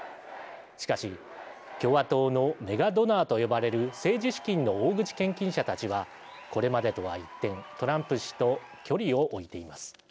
しかし、共和党のメガドナーと呼ばれる政治資金の大口献金者たちはこれまでとは一転、トランプ氏と距離を置いています。